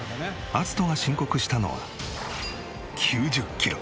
アツトが申告したのは９０キロ。